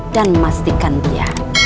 dan memastikan dia